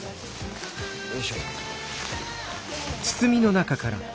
よいしょ。